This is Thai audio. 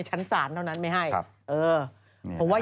เพราะว่าตอนนี้ก็ไม่มีใครไปข่มครูฆ่า